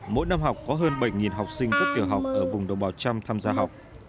mỗi năm học có hơn bảy học sinh cấp tiểu học ở vùng đồng bào trăm tham gia học